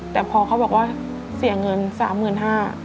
แต่พอเขาบอกว่าเสียเงิน๓๕๐๐บาท